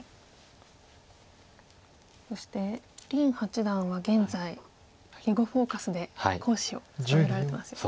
そして林八段は現在「囲碁フォーカス」で講師を務められてますよね。